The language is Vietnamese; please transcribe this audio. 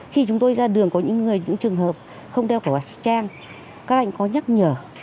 khi chúng tôi ra đường có những người những trường hợp không đeo khẩu trang các anh có nhắc nhở